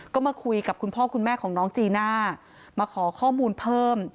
ก็มาคุยกับคุณพ่อคุณแม่ของน้องจีน่ามาขอข้อมูลเพิ่ม